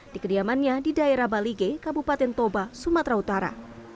di kediamannya di daerah balige kabupaten toba sumatera utara